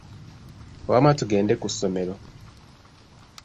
Wamma tugende ku ssomero.